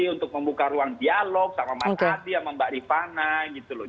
untuk membuka ruang dialog sama mas adi sama mbak rifana gitu loh